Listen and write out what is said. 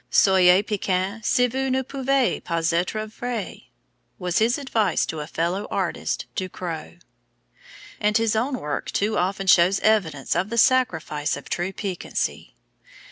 "Soyez piquant, si vous ne pouvez pas être vrai," was his advice to a fellow artist, Ducreux; and his own work too often shows evidence of the sacrifice of truth to piquancy.